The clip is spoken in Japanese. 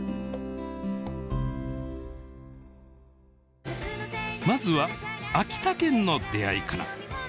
題してまずは秋田県の出会いから。